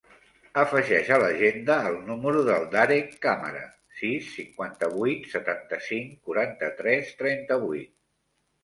Afegeix a l'agenda el número del Darek Camara: sis, cinquanta-vuit, setanta-cinc, quaranta-tres, trenta-vuit.